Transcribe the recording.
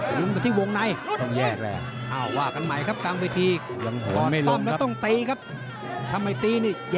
ลุมไปที่วงใน